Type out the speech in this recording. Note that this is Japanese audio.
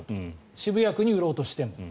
渋谷区に売ろうとしても。